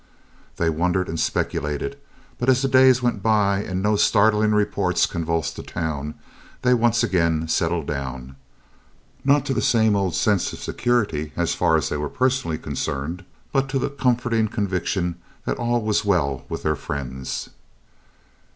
They wondered and speculated, but as the days went by and no startling reports convulsed the town, they once again settled down not to the same old sense of security as far as they were personally concerned, but to the comforting conviction that all was well with their friends.